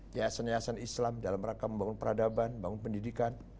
yayasan yayasan islam dalam rangka membangun peradaban bangun pendidikan